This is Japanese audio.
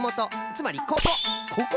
つまりここ。